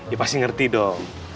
ya pasti ngerti dong